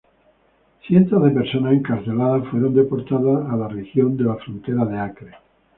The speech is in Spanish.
Cientos de personas encarceladas fueron deportadas a la región de la frontera de Acre.